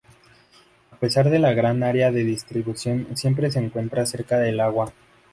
A pesar de la gran área de distribución siempre se encuentra cerca del agua.